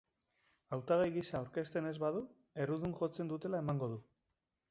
Hautagai gisa aurkezten ez badu, errudun jotzen dutela emango du.